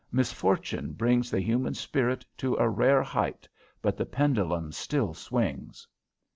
Misfortune brings the human spirit to a rare height, but the pendulum still swings.